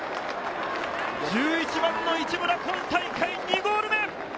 １１番の一村、今大会２ゴール目。